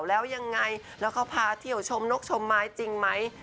แล้วยังไงแล้วเขาพาเที่ยวชมนกชมไม้จริงไหม